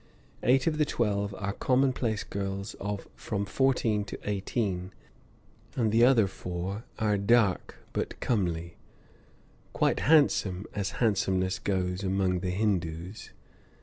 Eight of the twelve are commonplace girls of from fourteen to eighteen, and the other four are "dark but comely" quite handsome, as handsomeness goes among the Hindoos.